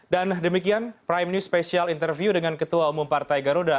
dan demikian prime news special interview dengan ketua umum partai garuda